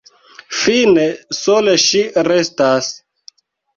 Fine sole ŝi restas.